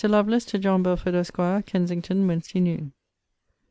LOVELACE, TO JOHN BELFORD, ESQ. KENSINGTON, WEDNESDAY NOON.